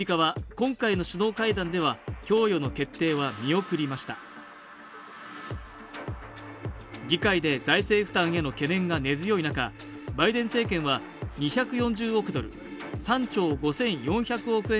今回の首脳会談では供与の決定は見送りました議会で財政負担への懸念が根強い中バイデン政権は２４０億ドル＝３兆５４００億円